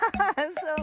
そう？